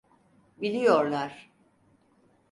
Biliyorlar.